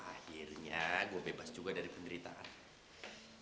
akhirnya gue bebas juga dari penderitaan